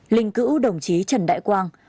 linh cữu đồng chí trần đại quang